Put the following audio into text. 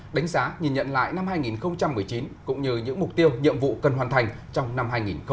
đánh giá nhìn nhận lại năm hai nghìn một mươi chín cũng như những mục tiêu nhiệm vụ cần hoàn thành trong năm hai nghìn hai mươi